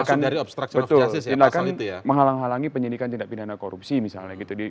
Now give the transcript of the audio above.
maksudnya menghalang halangi penyelidikan tindak pidana korupsi misalnya gitu